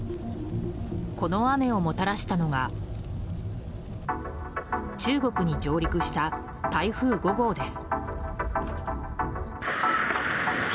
この雨をもたらしたのが中国に上陸した台風５号です。